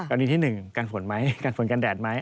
อันนี้ที่๑กันฝนไหมกันฝนกันแดดไหม